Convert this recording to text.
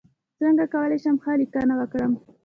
څنګه کولی شم ښه لیکنه وکړم